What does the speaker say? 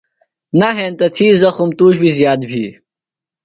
نہ ہینتہ تھی زخم تُوش بیۡ زِیات بھی۔